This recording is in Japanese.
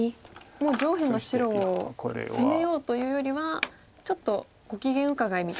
もう上辺の白を攻めようというよりはちょっとご機嫌伺いみたいな。